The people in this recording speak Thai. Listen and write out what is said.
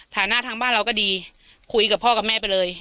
ฐานะทางบ้านเราก็ดีคุยกับพ่อกับแม่ไปเลย